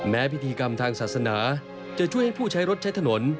พิธีกรรมทางศาสนาจะช่วยให้ผู้ใช้รถใช้ถนน